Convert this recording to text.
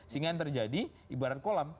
sehingga yang terjadi ibarat kolam